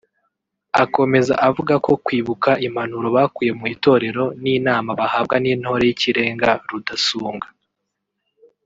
Akomeza avuga ko kwibuka impanuro bakuye mu itorero n’inama bahabwa n’ intore y’ikirenga Rudasumbwa